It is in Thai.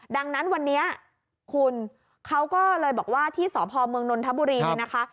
ดังนั้นวันนี้คุณเขาก็เลยบอกว่าที่สพเมืองนนทบุรีเนี่ยนะคะ